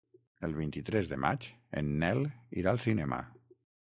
El vint-i-tres de maig en Nel irà al cinema.